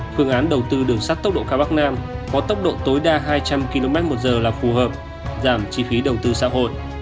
phương án đầu tư đường sắt tốc độ cao bắc nam có tốc độ tối đa hai trăm linh km một giờ là phù hợp giảm chi phí đầu tư xã hội